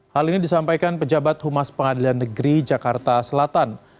hal ini disampaikan pejabat humas pengadilan negeri jakarta selatan